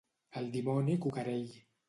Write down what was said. El dimoni cucarell.